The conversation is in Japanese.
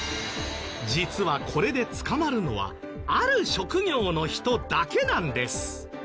実はこれで捕まるのはある職業の人だけなんです。